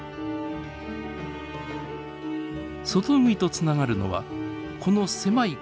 外海とつながるのはこの狭い海峡だけ。